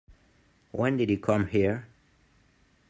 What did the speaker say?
When did he come here?